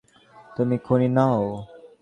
তুমি খুনি নও।